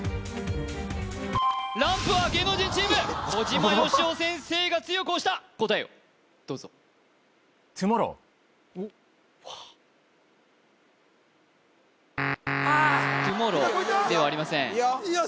ランプは芸能人チーム小島よしお先生が強く押した答えをどうぞ「ＴＯＭＯＲＲＯＷ」ではありませんいいよいいよ